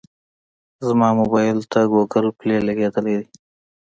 زما موبایل ته ګوګل پلی لګېدلی دی.